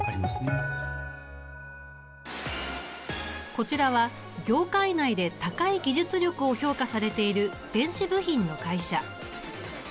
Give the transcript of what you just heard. こちらは業界内で高い技術力を評価されている電子部品の会社。